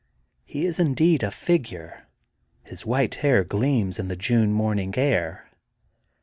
He is indeed a£gnre; his white hair gleams in the June morning air.